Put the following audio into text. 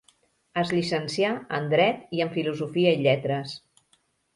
Es llicencià en Dret i en Filosofia i Lletres.